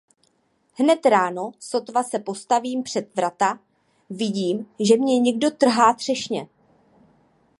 Hned ráno, sotva se postavím před vrata, vidím, že mně někdo trhá třešně.